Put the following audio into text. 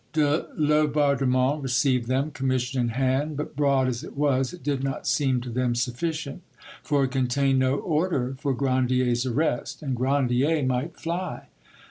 De Laubardemont received them, commission in hand, but broad as it was, it did not seem to them sufficient, for it contained no order for Grandier's arrest, and Grandier might fly.